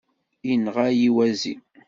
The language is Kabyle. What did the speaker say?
Inɣa-yi wazi.